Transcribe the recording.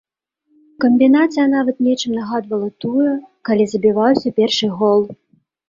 Камбінацыя нават нечым нагадвала тую, калі забіваўся першы гол.